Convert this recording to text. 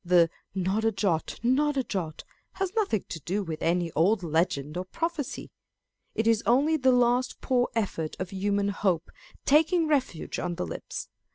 The " Not a jot, not a jot," has nothing to do with any old legend or prophecy. It is only the last poor effort of human hope, taking refuge on the lips.